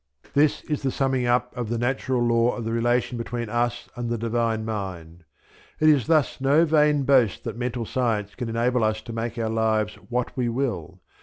This is the summing up of the natural law of the relation between us and the Divine Mind. It is thus no vain boast that Mental Science can enable us to make our lives what we will.